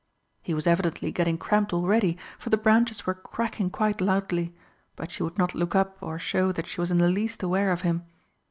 He was evidently getting cramped already, for the branches were cracking quite loudly, but she would not look up or show that she was in the least aware of him.